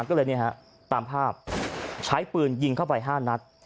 ก็เลยเนี่ยฮะตามภาพใช้ปืนยิงเข้าไปห้านัด